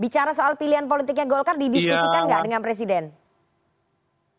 bicara soal pilihan politik di bicarakan nggak bicara soal pilihan politik di bicarakan nggak